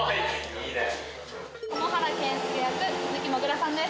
・いいね・加茂原健介役鈴木もぐらさんです。